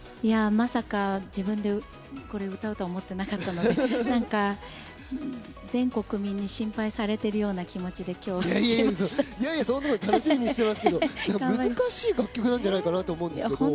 まさか自分でこれを歌うとは思っていなかったので全国民に心配されているような気持ちで楽しみにしていますけど難しい楽曲なんじゃないかなと思うんですが。